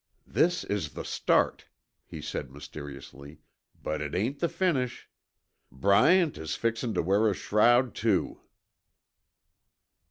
"This is the start," he said mysteriously. "But it ain't the finish. Bryant is fixin' tuh wear a shroud, too."